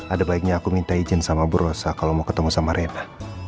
ada baiknya aku minta izin sama burosa kalau mau ketemu sama rena